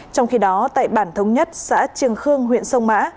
trong khi đó tại bản thống nhất xã trường khương huyện sông mã